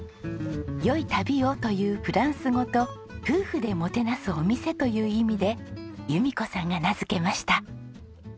「良い旅を」というフランス語と夫婦でもてなすお店という意味で由美子さんが名付けました。